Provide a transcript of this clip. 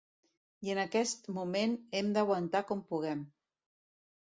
I en aquest moment hem d’aguantar com puguem.